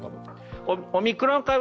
オミクロン株。